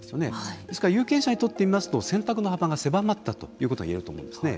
ですから有権者にとってみますと選択の幅が狭まったということがいえると思うんですね。